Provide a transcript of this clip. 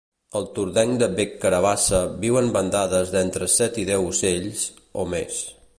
El tordenc de bec carabassa viu en bandades d'entre set i deu ocells, o més.